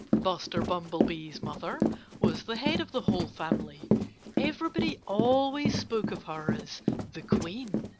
Buster Bumblebee's mother was the head of the whole family. Everybody always spoke of her as "the Queen."